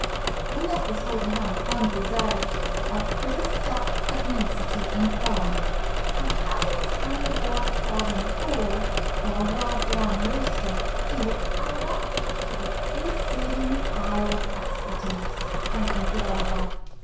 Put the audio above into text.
And yet this waiter had a fund reserved Of pretty stout pugnacity and pride, And every time the boarder called him "fool," Or "low born rooster," he would add it up To the preceding pile of expletives, And think it over.